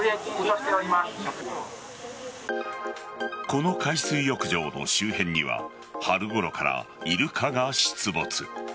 この海水浴場の周辺には春ごろからイルカが出没。